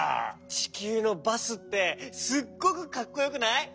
ちきゅうのバスってすっごくかっこよくない？